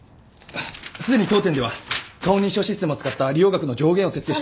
すでに当店では顔認証システムを使った利用額の上限を設定して。